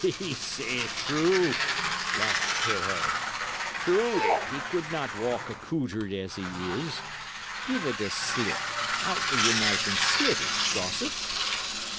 "He saith true," laughed Pirret. "Truly, he could not walk accoutred as he is. Give it a slit out with your knife and slit it, gossip."